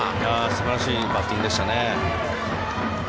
素晴らしいバッティングでしたね。